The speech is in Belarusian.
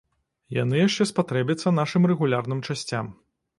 Яны яшчэ спатрэбяцца нашым рэгулярным часцям.